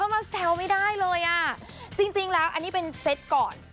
มาแซวไม่ได้เลยอ่ะจริงแล้วอันนี้เป็นเซตก่อน